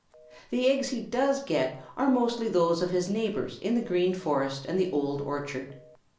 The eggs he does get are mostly those of his neighbors in the Green Forest and the Old Orchard.